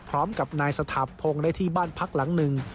พร้อมกับนายสถาปพงศ์ได้ที่บ้านพักหลังหนึ่ง